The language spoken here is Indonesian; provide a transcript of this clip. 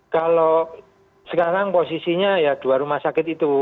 kalau sekarang posisinya ya dua rumah sakit itu